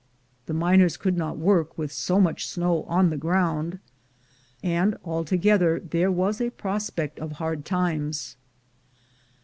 The miners could not work with so much snow on the ground, and altogether there was a prospect of hard times.